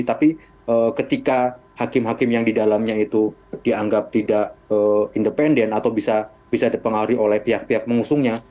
tapi ketika hakim hakim yang di dalamnya itu dianggap tidak independen atau bisa dipengaruhi oleh pihak pihak mengusungnya